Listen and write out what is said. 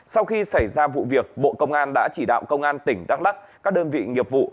sau khi xảy ra vụ việc bộ công an đã chỉ đạo công an tỉnh đắk lắc các đơn vị nghiệp vụ